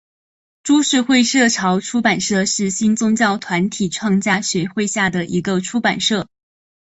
株式会社潮出版社是新宗教团体创价学会下的一个出版社。